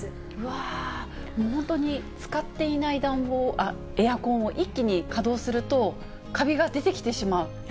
わー、本当に使っていないエアコンを一気に稼働すると、カビが出てきてしまう？